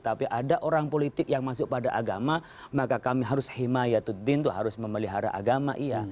tapi ada orang politik yang masuk pada agama maka kami harus himayatuddin itu harus memelihara agama iya